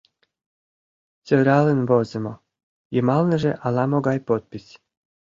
Сӧралын возымо, йымалныже ала-могай подпись.